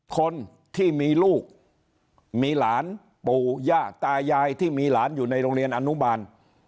คนที่มีลูกมีหลานปู่ย่าตายายที่มีหลานอยู่ในโรงเรียนอนุบาล